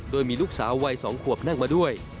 โดยมีลูกสาววัย๒ขวบนั่งมาด้วย